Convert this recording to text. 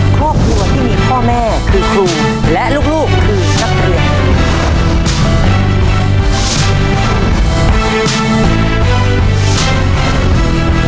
ครอบครัวที่มีพ่อแม่คือครูและลูกคือนักเรียน